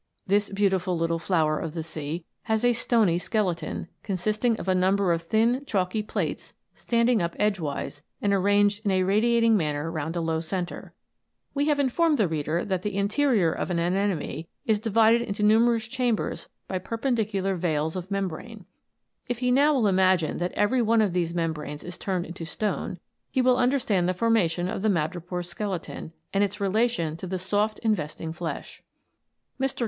This beautiful little flower of the sea has a stony skele ton, consisting of a number of thin chalky plates standing up edgewise, and arranged in a radiating * Caryophyllia Smithii. ANIMATED FLOWERS. 135 manner round a low centre. We have informed the reader that the interior of an anemone is divided into numerous chambers by perpendicular veils of membrane. If he will now imagine that every one of these membranes is turned into stone, he will understand the formation of the madrepore's skeleton, and its relation to the soft investing flesh. Mr.